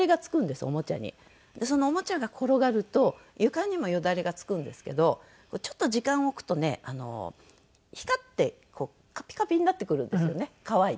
そのおもちゃが転がると床にもよだれが付くんですけどちょっと時間置くとねあの光ってカピカピになってくるんですよね乾いて。